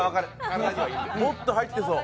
もっと入ってそう。